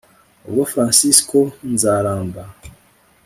Ubwo Fransisko Nzaramba